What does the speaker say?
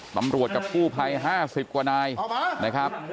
ตำรวจกับผู้ภัย๕๐กว่านายนะครับ